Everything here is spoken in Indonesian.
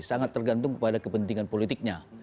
sangat tergantung kepada kepentingan politiknya